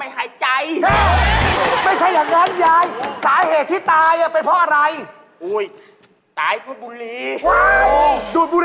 ไอ้ชั้นเนี่ยอยู่ด้านเมือง